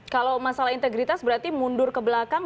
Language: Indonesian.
kalau masalah integritas berarti mundur ke belakang